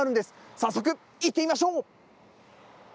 早速、行ってみましょう。